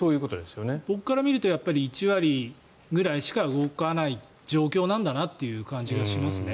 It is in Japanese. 僕から見ると１割くらいしか動かない状況なんだなという感じがしますね。